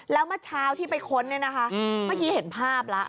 แล้วเมื่อเช้าที่ไปค้นเนี่ยนะคะเมื่อกี้เห็นภาพแล้ว